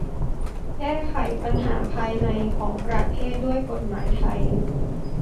แก้ไขปัญหาภายในของประเทศด้วยกฎหมายไทย